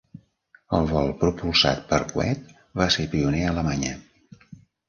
El vol propulsat per coet va ser pioner a Alemanya.